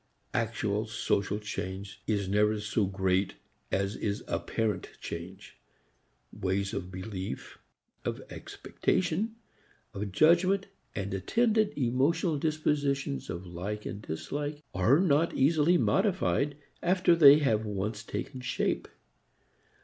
Actual social change is never so great as is apparent change. Ways of belief, of expectation, of judgment and attendant emotional dispositions of like and dislike, are not easily modified after they have once taken shape.